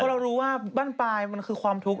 กูเรารู้ว่าบ้านป้ายคือความทุกข์เออ